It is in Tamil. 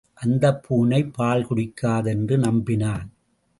அந்தப் பூனை பால் குடிக்காது என்று நம்பினான்.